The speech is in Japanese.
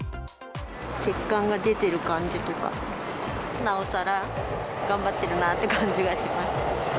血管が出てる感じとか、なおさら頑張ってるなって感じがします。